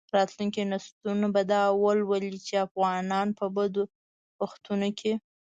راتلونکي نسلونه به دا ولولي چې افغانانو په بدو وختونو کې.